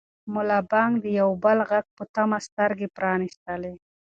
ملا بانګ د یو بل غږ په تمه سترګې پرانیستلې.